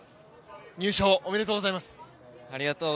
入賞おめでとうございます。